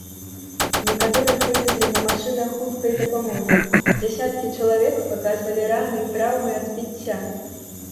Некаторых вывезлі на машынах хуткай дапамогі, дзясяткі чалавек паказвалі раны і траўмы ад збіцця.